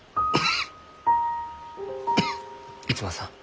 逸馬さん。